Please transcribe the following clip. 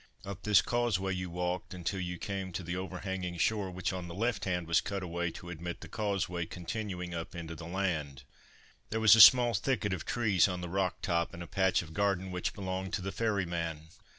Up this causeway you walked until you came to the overhanging shore which on the left hand was cut away to admit the causeway continuing up into the land. There was a small thicket of trees on the rock top and a patch of garden which belonged to the ferryman.